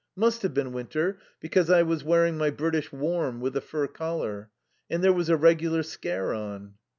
Must have been winter, because I was wearing my British warm with the fur collar. And there was a regular scare on."